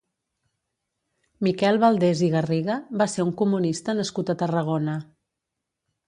Miquel Valdés i Garriga va ser un comunista nascut a Tarragona.